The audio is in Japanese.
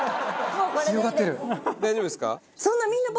大丈夫ですか？